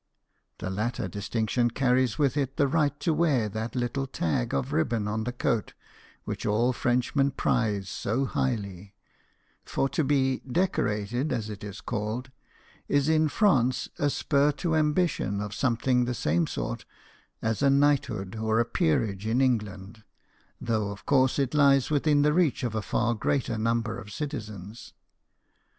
The latter distinction carries with it the right to wear that little tag of ribbon on the coat which all Frenchmen prize so highly ; for to be " decorated," as it is called, is in France a spur to ambition of something the same sort as a knighthood or a peerage in England, though of course it lies within the reach of a far greater number of citizens.